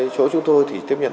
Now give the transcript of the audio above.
chỗ chúng tôi thì tiếp nhận